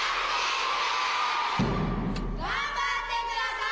頑張ってください！